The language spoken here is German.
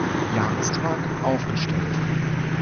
Jahrestag aufgestellt.